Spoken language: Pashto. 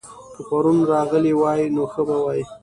که پرون راغلی وای؛ نو ښه به وای